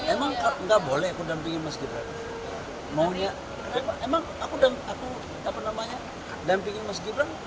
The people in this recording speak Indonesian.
emang enggak boleh kudampingi meskipun maunya emang aku dan aku dapat namanya dan pingin meskipun